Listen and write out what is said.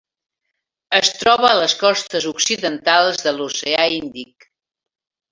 Es troba a les costes occidentals de l'Oceà Índic: